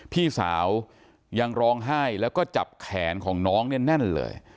พี่สาวยังร้องไห้แล้วก็จับแขนของน้องเนี่ยแน่นเลย